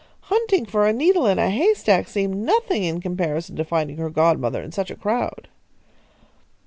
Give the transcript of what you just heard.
Hunting for a needle in a haystack seemed nothing in comparison to finding her godmother in such a crowd.